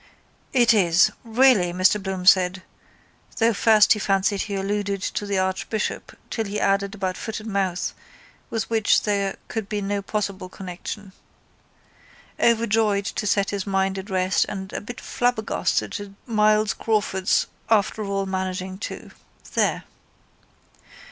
—It is. Really, Mr Bloom said (though first he fancied he alluded to the archbishop till he added about foot and mouth with which there could be no possible connection) overjoyed to set his mind at rest and a bit flabbergasted at Myles Crawford's after all managing to. There.